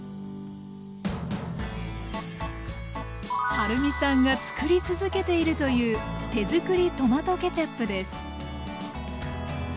はるみさんがつくり続けているという手づくりトマトケチャップです。